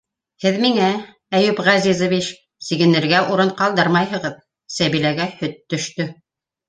Һеҙ миңә, Әйүп Ғәзизович, сигенергә урын ҡалдырмайһығыҙ: Сәбиләгә... һөт төштө...